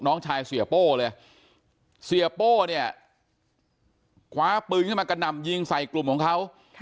น้องชายเสียโป้เลยเสียโป้เนี่ยคว้าปืนขึ้นมากระหน่ำยิงใส่กลุ่มของเขา